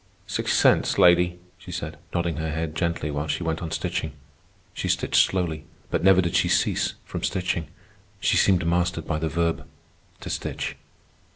"Six cents, lady," she said, nodding her head gently while she went on stitching. She stitched slowly, but never did she cease from stitching. She seemed mastered by the verb "to stitch."